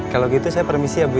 kalau gitu saya permisi ya bu